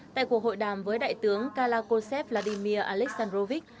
tại cuộc hội đàm với đại tướng kalakosev vladimir aleksandrovich